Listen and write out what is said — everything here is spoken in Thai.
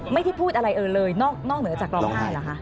ไม่ได้พูดอะไรเออเลยนอกเหนือจากร้องไห้เหรอคะ